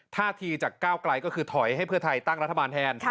ท่าทีจากก้าวไกลก็คือถอยให้เพื่อไทยตั้งรัฐบาลแทน